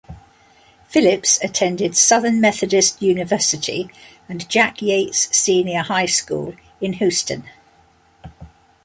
Phillips attended Southern Methodist University and Jack Yates Senior High School in Houston.